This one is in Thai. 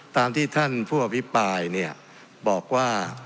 ตามที่ท่านผู้อภิปราญบอกว่า